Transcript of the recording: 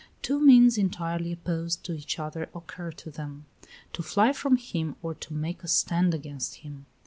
Two means entirely opposed to each other occur to them to fly from him or to make a stand against him.